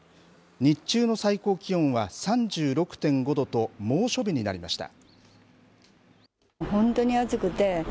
日中の最高気温は３６．５度と、猛暑日になりました。